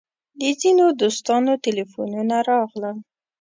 د ځینو دوستانو تیلفونونه راغلل.